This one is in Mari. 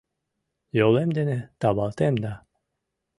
Йолем дене тавалтем да